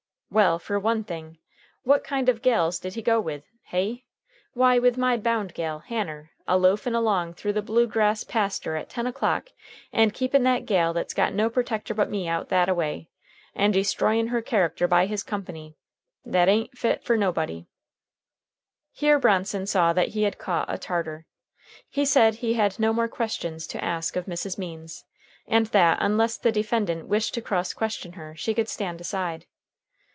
"Well, fer one thing, what kind of gals did he go with? Hey? Why, with my bound gal, Hanner, a loafin' along through the blue grass paster at ten o'clock, and keepin' that gal that's got no protector but me out that a way, and destroyin' her character by his company, that a'n't fit fer nobody." Here Bronson saw that he had caught a tartar. He said he had no more questions to ask of Mrs. Means, and that, unless the defendant wished to cross question her, she could stand aside.